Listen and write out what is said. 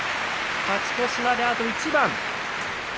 勝ち越しまであと一番。